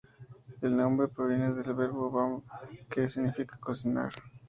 El nombre proviene del verbo варити, que significa "cocinar".